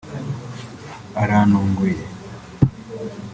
arantunguye